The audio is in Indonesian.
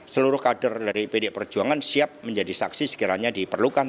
seluruh kader dari pd perjuangan siap menjadi saksi sekiranya diperlukan